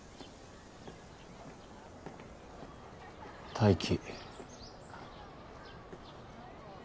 泰生。